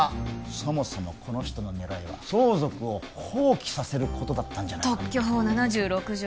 そもそもこの人の狙いは相続を放棄させることだったんじゃ特許法７６条